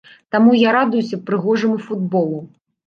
Таму я радуюся прыгожаму футболу.